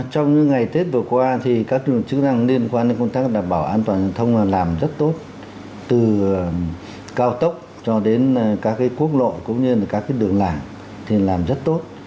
chắc là đảm bảo an toàn giao thông làm rất tốt từ cao tốc cho đến các cái quốc lộ cũng như là các cái đường lạc thì làm rất tốt